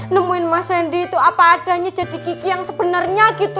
nemuin mas randy itu apa adanya jadi kiki yang sebenernya gitu